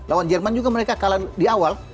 lawan jerman juga mereka kalah di awal